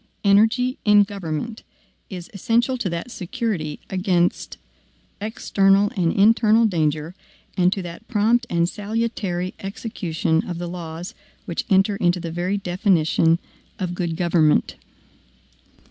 Energy in government is essential to that security against external and internal danger, and to that prompt and salutary execution of the laws which enter into the very definition of good government.